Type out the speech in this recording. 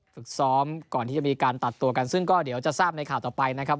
ฝึกซ้อมก่อนที่จะมีการตัดตัวกันซึ่งก็เดี๋ยวจะทราบในข่าวต่อไปนะครับ